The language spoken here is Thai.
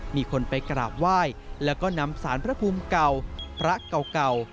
มีคนไปกราบไหว้แล้วก็นำสารพระภูมิเก่าพระเก่า